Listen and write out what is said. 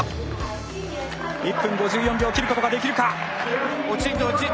１分５４秒を切ることができるか。